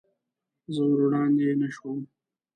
زه ور وړاندې نه شوم.